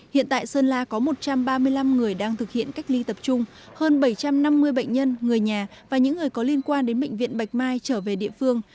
hiện tại sơn la có một trăm ba mươi năm người đang thực hiện cách ly tập trung hơn bảy trăm năm mươi bệnh nhân người nhà và những người có liên quan đến bệnh viện bạch mai trở về địa phương